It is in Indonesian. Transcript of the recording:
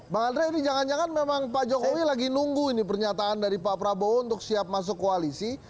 bang andre ini jangan jangan memang pak jokowi lagi nunggu ini pernyataan dari pak prabowo untuk siap masuk koalisi